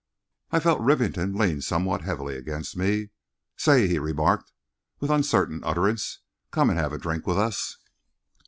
I felt Rivington lean somewhat heavily against me. "Say!" he remarked, with uncertain utterance; "come and have a drink with us."